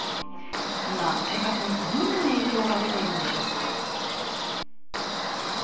今、生活にどんな影響が出ているんでしょうか。